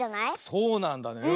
そうなんだね。